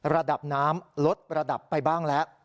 ระดับน้ำลดระดับไปบ้างแล้ว